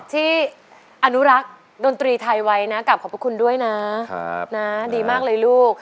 ที่อนุรักษ์ดนตรีไทยไว้นะกลับขอบพระคุณด้วยนะดีมากเลยลูก